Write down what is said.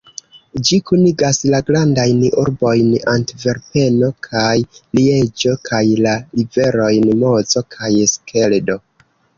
Ĝi kunigas la grandajn urbojn Antverpeno kaj Lieĝo kaj la riverojn Mozo kaj Skeldo.